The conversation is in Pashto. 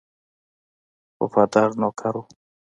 وفادار نوکر وو.